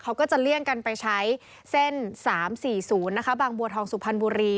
เขาก็จะเลี่ยงกันไปใช้เส้น๓๔๐นะคะบางบัวทองสุพรรณบุรี